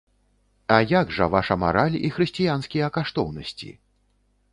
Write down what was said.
А як жа ваша мараль і хрысціянскія каштоўнасці?